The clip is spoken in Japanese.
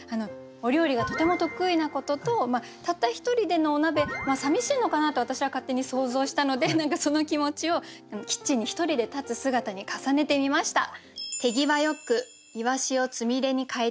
お料理がとても得意なこととたった一人でのお鍋寂しいのかなと私は勝手に想像したので何かその気持ちをキッチンに一人で立つ姿に重ねてみました。